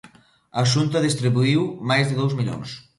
A Xunta distribuíu máis de dous millóns.